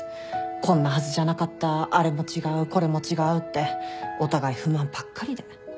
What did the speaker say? こんなはずじゃなかったあれも違うこれも違うってお互い不満ばっかりで。